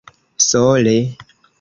sole